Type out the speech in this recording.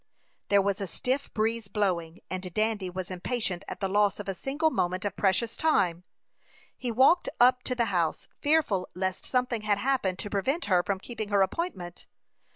There was a stiff breeze blowing, and Dandy was impatient at the loss of a single moment of precious time. He walked up to the house, fearful lest something had happened to prevent her from keeping her appointment.